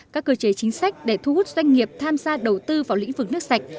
các cơ chế chính sách để thu hút doanh nghiệp tham gia đầu tư vào lĩnh vực nước sạch